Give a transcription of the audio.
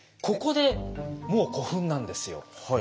ここでもう「古墳」なんですよ。